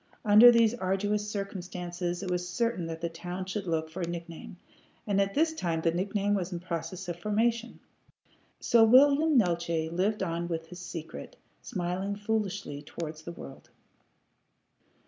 Under these arduous circumstances it was certain that the town should look for a nickname, and at this time the nickname was in process of formation. So William Neeltje lived on with his secret, smiling foolishly towards the world.